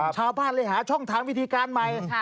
ชาวบ้านเลยหาช่องทางวิธีการใหม่